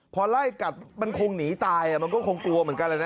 พอไล่กัดมันคงหนีตายมันก็คงกลัวเหมือนกันแหละนะ